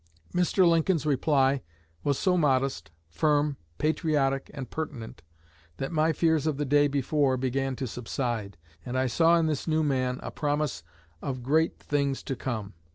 Mr. Lincoln's reply was so modest, firm, patriotic, and pertinent, that my fears of the day before began to subside, and I saw in this new man a promise of great things to come.